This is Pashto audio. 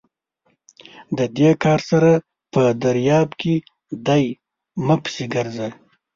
د دې کار سر په درياب کې دی؛ مه پسې ګرځه!